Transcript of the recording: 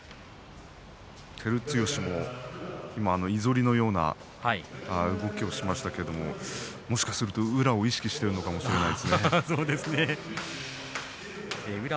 照強も、い反りのような動きをしましたけれどももしかすると宇良を意識してるのかもしれません。